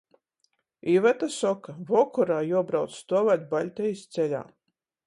Iveta soka — vokorā juobrauc stuovēt Baļtejis ceļā.